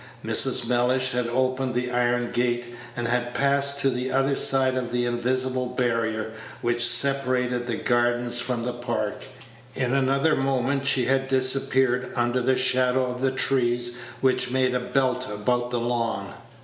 Mrs. Mellish had opened the iron gate, and had passed to the other side of the invisible barrier which separated the gardens from the Park. In another moment she had disappeared under the shadow of the trees which made a belt about the lawn.